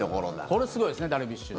これ、すごいですねダルビッシュ。